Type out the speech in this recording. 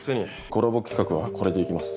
コラボ企画はこれで行きます。